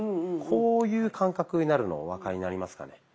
こういう感覚になるのお分かりになりますかね。